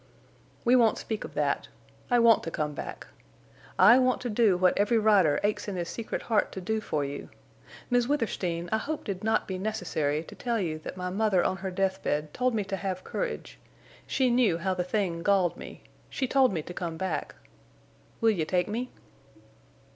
"We won't speak of that. I want to come back. I want to do what every rider aches in his secret heart to do for you.... Miss Withersteen, I hoped it'd not be necessary to tell you that my mother on her deathbed told me to have courage. She knew how the thing galled me—she told me to come back.... Will you take me?"